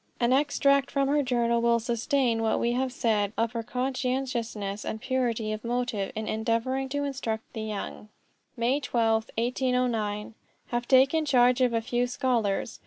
An extract from her journal will sustain what we have said of her conscientiousness and purity of motive in endeavoring to instruct the young: "May 12, 1809. Have taken charge of a few scholars.